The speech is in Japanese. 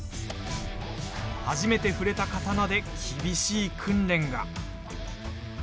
初めて触れた刀で厳しい訓練が。